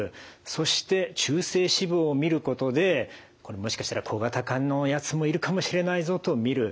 そして中性脂肪を見ることでこれもしかしたら小型化のやつもいるかもしれないぞと見る。